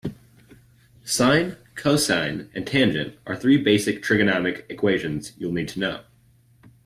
Sine, cosine and tangent are three basic trigonometric equations you'll need to know.